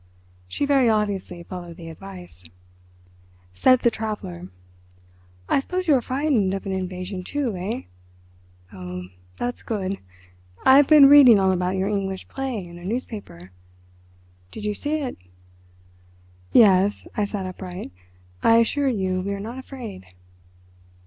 She very obviously followed the advice. Said the Traveller: "I suppose you are frightened of an invasion, too, eh? Oh, that's good. I've been reading all about your English play in a newspaper. Did you see it?" "Yes." I sat upright. "I assure you we are not afraid."